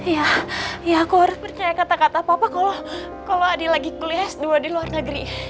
ya ya aku harus percaya kata kata papa kalau adik lagi kuliah s dua di luar negeri